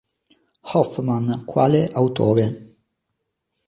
Hoffmann quale autore.